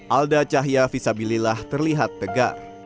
alda cahya visabilillah terlihat tegar